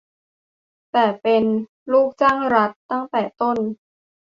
แต่เป็น "ลูกจ้างรัฐ" ตั้งแต่ต้น